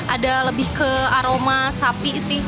ada lebih ke aroma sapi sih